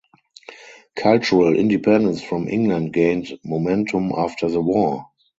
Cultural independence from England gained momentum after the war.